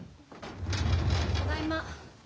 ただいま。